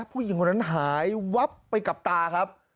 ผู้หญิงคนนั้นหายวับไปกับตาครับ